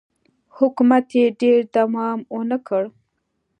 حکومت یې ډېر دوام ونه کړ